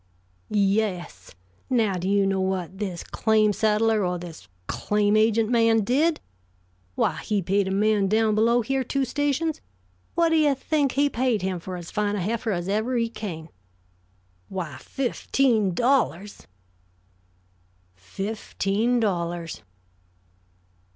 "Yes. Now, do you know what this claim settler, or this claim agent man did? Why, he paid a man down below here two stations what do you think he paid him for as fine a heifer as ever eat cane? Why, fifteen dollars!" "Fifteen dollars!"